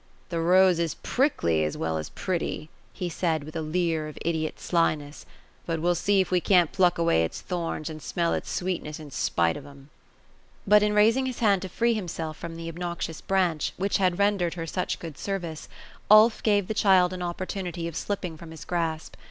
" The rose is prick! j as well as pretty !" he said, with a leer of idiot slyness ;^* but we'll see if we can't pluck away its thorns, and smell its sweetness, in spite of *em." But in raising his hand to free himself from the obnoxious branch, which had rendered her such good service, Ulf gave the child an oppor tunity of slipping from his grasp.